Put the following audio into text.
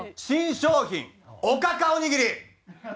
新商品おかかおにぎり！